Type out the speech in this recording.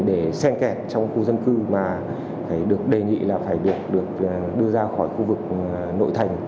để sen kẹt trong khu dân cư mà phải được đề nghị là phải được đưa ra khỏi khu vực nội thành